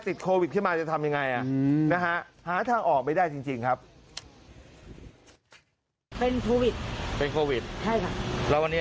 ติดโควิดที่มาจะทำยังไง